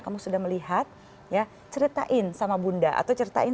kamu sudah melihat ya ceritain sama bunda atau ceritain